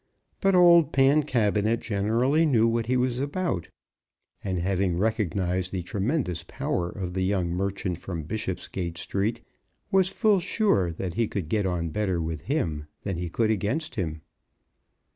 But old Pancabinet generally knew what he was about, and having recognized the tremendous power of the young merchant from Bishopsgate Street, was full sure that he could get on better with him than he could against him.